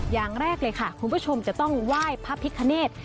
อย่างแรกเลยค่ะคุณผู้ชมจะต้องไหว้พระพิคเนธ